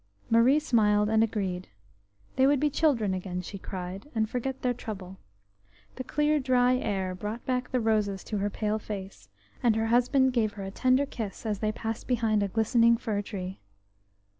Marie smiled and agreed. They would be children again, she cried, and forget their trouble. The clear dry air brought back the roses to her pale face, and her husband gave her a tender kiss as they passed behind a glistening fir tree.